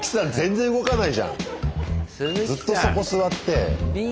ずっとそこ座って。